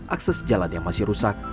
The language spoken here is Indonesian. akses jalan yang masih rusak